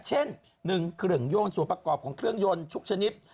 เช่นอย่างเงินขนาดหนึ่งคืงย่วมส่วนประกอบของเครื่องยนต์ทุกชนิด